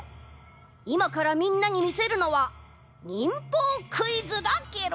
いまからみんなにみせるのは忍法クイズだケロ。